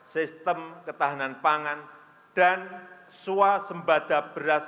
sistem ketahanan pangan dan suwa sembada beras